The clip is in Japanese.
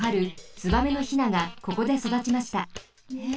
ツバメのヒナがここでそだちました。え！